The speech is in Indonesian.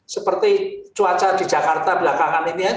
seperti cuaca di jakarta belakangan ini